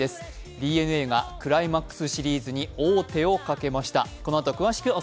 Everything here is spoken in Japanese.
ＤｅＮＡがクライマックスシリーズに王手をかけました。